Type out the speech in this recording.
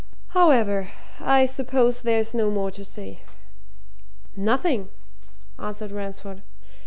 However I suppose there's no more to say." "Nothing!" answered Ransford.